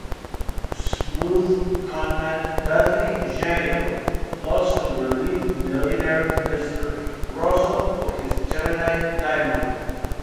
Smooth conman Dudley Jerico plots to relieve millionaire Mister Rosso of his Gemini diamond.